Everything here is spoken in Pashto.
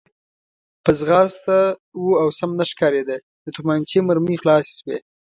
په ځغاسته و او سم نه ښکارېده، د تومانچې مرمۍ خلاصې شوې.